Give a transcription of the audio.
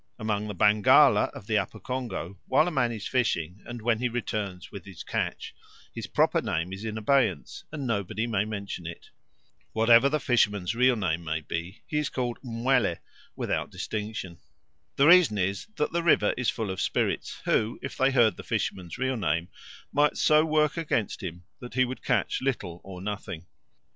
Among the Bangala of the Upper Congo, while a man is fishing and when he returns with his catch, his proper name is in abeyance and nobody may mention it. Whatever the fisherman's real name may be, he is called mwele without distinction. The reason is that the river is full of spirits, who, if they heard the fisherman's real name, might so work against him that he would catch little or nothing.